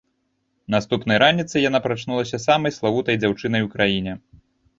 Наступнай раніцай яна прачнулася самай славутай дзяўчынай у краіне.